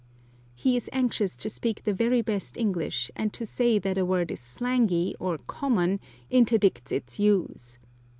He is anxious to speak the very best English, and to say that a word is slangy or common interdicts its use.